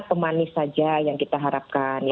pemanis saja yang kita harapkan